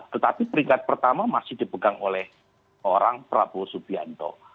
tetapi peringkat pertama masih dipegang oleh orang prabowo subianto